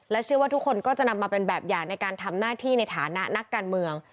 เชื่อว่าทุกคนก็จะนำมาเป็นแบบอย่างในการทำหน้าที่ในฐานะนักการเมือง